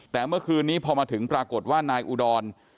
แต่เมื่อคืนนี้พอมาถึงปรากฏว่านายอุดร